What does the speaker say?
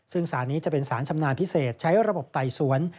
ซึ่งสารนี้จะเป็นสารชำนาญพิเศษใช้ระบบไต่สวน